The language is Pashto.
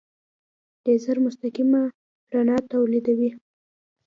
لیزر مستقیمه رڼا تولیدوي.